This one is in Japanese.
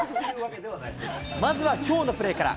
まずはきょうのプレーから。